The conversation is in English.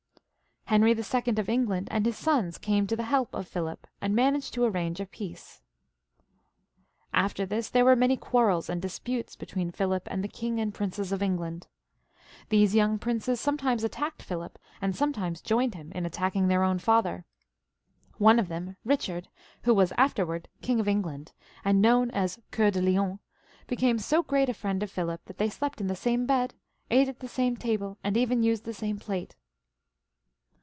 Henry II. of England and his sons came to the help of Philip, and managed to arrange a peace. XVI.] PHILIP II. (AUGUSTE), 93 After this there were many quarrels and disputes be tween Philip and the Bang and princes of England. These young princes sometimes attacked Philip, and sdipetimes joined him in attacking their own father. One of them, Kichard, who was afterwards King of England, and known as Coeur de Lion, became so great a friend of Philip that they slept in the same bed, ate at the same table, and even used the same plate.